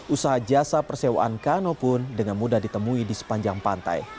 usaha jasa persewaan kano pun dengan mudah ditemui di sepanjang pantai